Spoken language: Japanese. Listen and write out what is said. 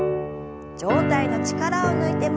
上体の力を抜いて前に。